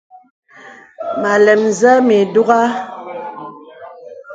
Mə alɛm zə̀ mì dùgha.